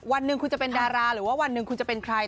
วันหนึ่งคุณจะเป็นดาราหรือว่าวันหนึ่งคุณจะเป็นใคร